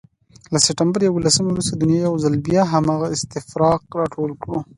له سپتمبر یوولسمې وروسته دنیا یو ځل بیا هماغه استفراق راټول کړ.